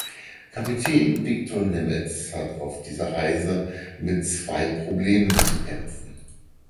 Kapitän Viktor Nemetz hat auf dieser Reise mit zwei Problemen zu kämpfen.